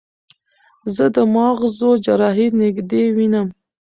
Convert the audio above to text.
زه د مغزو جراحي نږدې وینم.